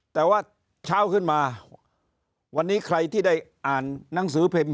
แต่ว่าเช้าขึ้นมาวันนี้ใครที่ได้อ่านหนังสือพิมพ์